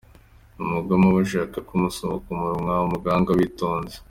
Umugore aba ashaka ko umusoma ku minwa, mu gahanga witonze.